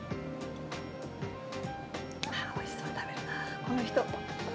ああ、おいしそうに食べるな、この人。